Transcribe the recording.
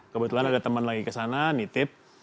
kebetulan ada teman lagi kesana nitip